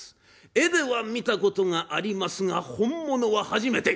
絵では見たことがありますが本物は初めて。